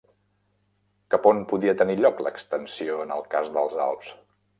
Cap on podia tenir lloc l'extensió en el cas dels Alps?